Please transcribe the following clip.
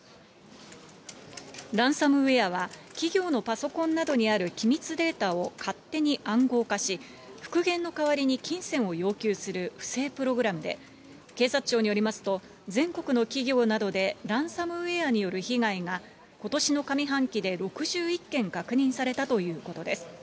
ランサムウェアは企業のパソコンなどにある機密データを勝手に暗号化し、復元の代わりに金銭を要求する不正プログラムで、警察庁によりますと、全国の企業などでランサムウェアによる被害がことしの上半期で６１件確認されたということです。